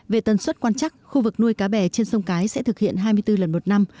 về tần suất quan chắc khu vực nuôi cá bè trên sông cái sẽ thực hiện hai mươi bốn lần một năm